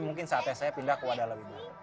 mungkin saatnya saya pindah ke wadah lebih dulu